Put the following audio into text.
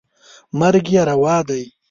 مرګ یې روا دی.